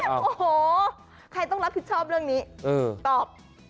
โอ้โหใครต้องรับผิดชอบเรื่องนี้ตอบ